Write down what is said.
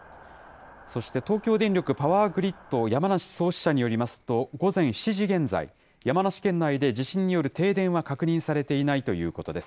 そして、東京電力パワーグリッド山梨総支社によりますと、午前７時現在、山梨県内で地震による停電は確認されていないということです。